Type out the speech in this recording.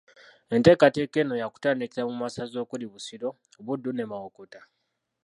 Enteekateeka eno ya kutandikira mu masaza okuli Busiro, Buddu ne Mawokota